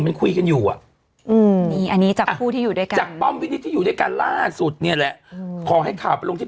เพราะคนที่ไปทำนาคารด้วยกันมันบอกไม่เห็นจะเศร้าเลย